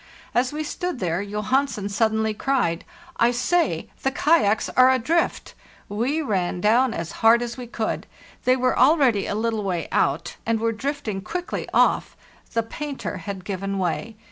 As we stood there, Johansen suddenly cried, "I say! the kayaks are adrift!' We ran down as hard as we could. They were already a little way out, and were drifting quickly off; the painter had given way.